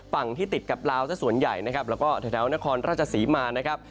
ฝั่งที่ติดกับลาวสักส่วนใหญ่นะครับแล้วก็แถวนครราชศรีมานะครับ